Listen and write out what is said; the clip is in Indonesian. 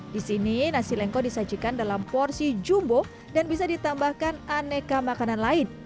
di sini nasi lengko disajikan dalam porsi jumbo dan bisa ditambahkan aneka makanan lain